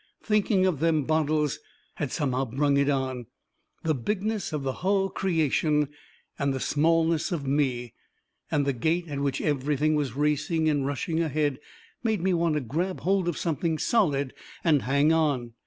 Thinking of them bottles had somehow brung it on. The bigness of the hull creation, and the smallness of me, and the gait at which everything was racing and rushing ahead, made me want to grab hold of something solid and hang on.